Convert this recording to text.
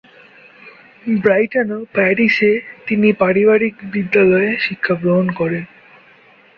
Brighton ও প্যারিসে তিনি পারিবারিক বিদ্যালয়ে শিক্ষা গ্রহণ করেন।